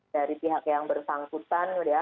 dari pihak yang bersangkutan ya